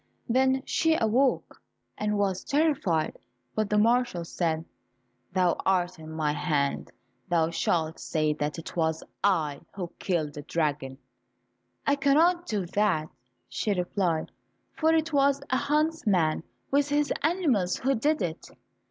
Then she awoke and was terrified, but the marshal said, "Thou art in my hands, thou shalt say that it was I who killed the dragon." "I cannot do that," she replied, "for it was a huntsman with his animals who did it."